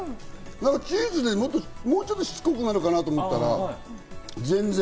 チーズでもうちょっとしつこくなるかなと思ったら、全然。